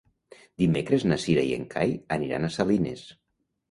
Dimecres na Cira i en Cai aniran a Salines.